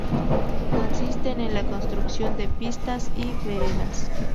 Consisten en la construcción de pistas y veredas.